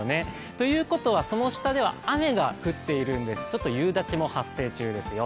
ということは、その下では雨が降っているんです、ちょっと夕立も発生中ですよ。